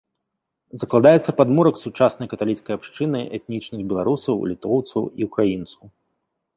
Закладаецца падмурак сучаснай каталіцкай абшчыны этнічных беларусаў, літоўцаў і ўкраінцаў.